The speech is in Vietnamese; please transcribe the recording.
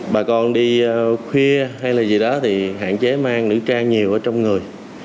bà con đi khuya hay gì đó thì hạn chế mang nữ trang nhiều trong người